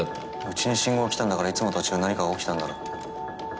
うちに信号が来たんだからいつもとは違う何かが起きたんだろ。